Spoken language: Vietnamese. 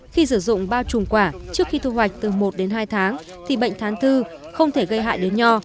khi sử dụng bao trùm quả trước khi thu hoạch từ một đến hai tháng thì bệnh thán thư không thể gây hại đến nho